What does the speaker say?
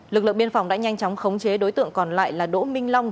lực lượng biên phòng đã nhanh chóng khống chế đối tượng còn lại là đỗ minh long